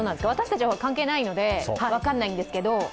私たちは関係ないので分かんないんですけど。